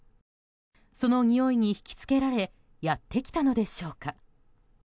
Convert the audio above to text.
そのにおいに引き付けられやってきたのでしょうか。